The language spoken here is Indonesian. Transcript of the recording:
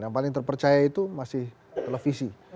yang paling terpercaya itu masih televisi